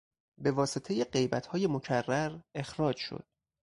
به واسطهی غیبتهای مکرر اخراج شد.